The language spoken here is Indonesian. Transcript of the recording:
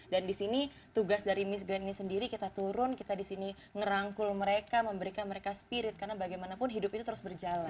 dan di sini tugas dari miss gun ini sendiri kita turun kita di sini ngerangkul mereka memberikan mereka spirit karena bagaimanapun hidup itu terus berjalan